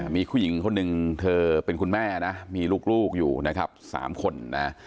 มีผู้หญิงคนหนึ่งเธอเป็นคุณแม่นะมีลูกอยู่นะครับ๓คนนะ